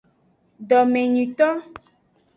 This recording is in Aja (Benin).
Domenyito.